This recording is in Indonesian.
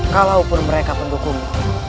kalaupun mereka pendukungmu